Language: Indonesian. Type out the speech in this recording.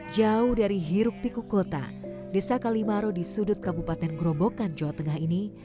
jauh dari hiruk piku kota desa kalimaro di sudut kabupaten gerobokan jawa tengah ini